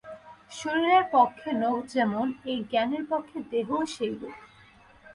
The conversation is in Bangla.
শরীরের পক্ষে নখ যেমন, এই জ্ঞানের পক্ষে দেহও সেইরূপ।